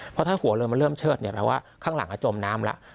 เพราะถ้าหัวเรือมันเริ่มเชิดเนี่ยแปลว่าข้างหลังจมน้ำแล้ว